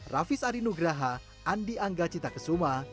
raffi sarinugraha andi anggacita kesuma